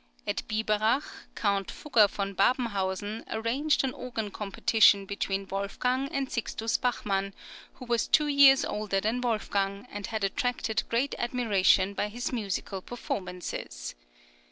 At Biberach, Count Fugger von Babenhausen arranged an organ competition between Wolfgang and Sixtus Bachmann, who was two years older than Wolfgang, and had attracted great admiration by his musical performances.